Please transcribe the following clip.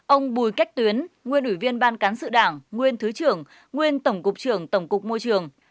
ông bùi cách tuyến nguyên ủy viên ban cán sự đảng nguyên thứ trưởng nguyên tổng cục trưởng tổng cục môi trường